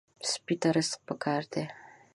سپي ته رزق پکار دی.